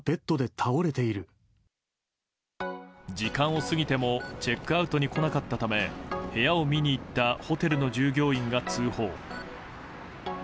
時間を過ぎてもチェックアウトに来なかったため部屋を見に行ったホテルの従業員が通報。